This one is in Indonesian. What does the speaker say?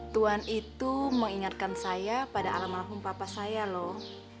tuan itu mengingatkan saya pada alam lakum papa saya loh